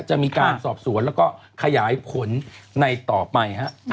จะมีการสอบสวนแล้วก็ขยายผลในต่อไปฮะ